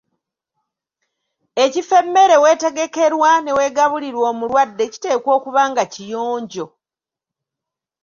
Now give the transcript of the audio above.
Ekifo emmere w’etegekerwa n’eweegabulirwa omulwadde kiteekwa okuba nga kiyonjo.